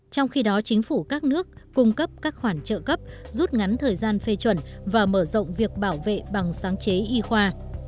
trong khi đó chính phủ các nước cung cấp các khoản trợ cấp rút ngắn thời gian phê chuẩn và mở rộng việc bảo vệ bằng sáng chế y khoa